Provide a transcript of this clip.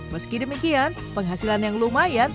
meski demikian penghasilan yang lumayan